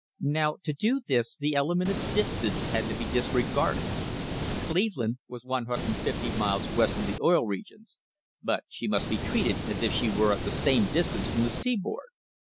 Now to do this the element of distance had to be disregarded. Cleveland was 150 miles west of the Oil Regions, but she must be treated as if she were at the same distance from the seaboard.